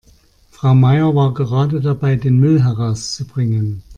Frau Meier war gerade dabei, den Müll herauszubringen.